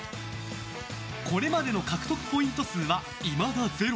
これまでの獲得ポイント数はいまだ０。